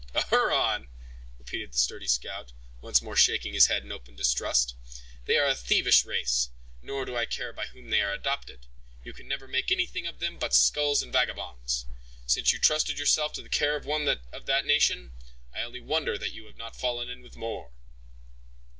"A Huron!" repeated the sturdy scout, once more shaking his head in open distrust; "they are a thievish race, nor do I care by whom they are adopted; you can never make anything of them but skulks and vagabonds. Since you trusted yourself to the care of one of that nation, I only wonder that you have not fallen in with more."